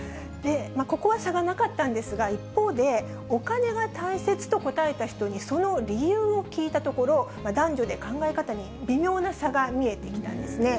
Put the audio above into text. ここは差がなかったんですが、一方で、お金が大切と答えた人に、その理由を聞いたところ、男女で考え方に微妙な差が見えてきたんですね。